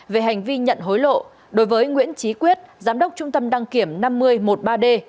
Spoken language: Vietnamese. về hành vi nhận hối lộ đối với nguyễn trí quyết giám đốc trung tâm đăng kiểm năm nghìn một mươi ba d